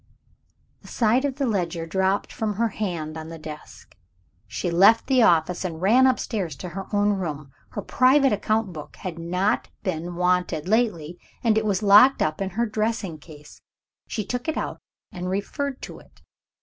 The side of the ledger dropped from her hand on the desk. She left the office, and ran upstairs to her own room. Her private account book had not been wanted lately it was locked up in her dressing case. She took it out, and referred to it.